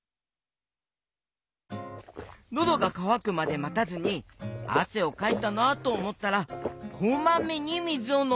のどがかわくまでまたずにあせをかいたなとおもったらこまめにみずをのもう！